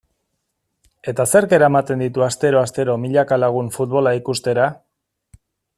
Eta zerk eramaten ditu astero-astero milaka lagun futbola ikustera?